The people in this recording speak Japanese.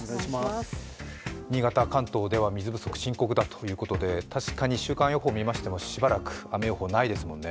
新潟、関東では水不足、深刻だということで確かに週間予報見ましてもしばらく雨予報ないですもんね。